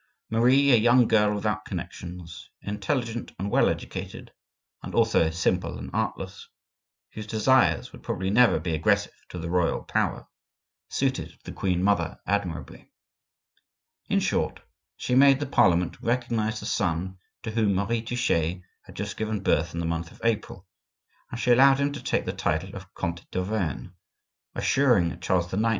Marie, a young girl without connections, intelligent and well educated, and also simple and artless, whose desires would probably never be aggressive to the royal power, suited the queen mother admirably. In short, she made the parliament recognize the son to whom Marie Touchet had just given birth in the month of April, and she allowed him to take the title of Comte d'Auvergne, assuring Charles IX.